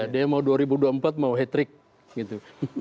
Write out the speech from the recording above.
dia mau dua ribu dua puluh empat mau hat trick gitu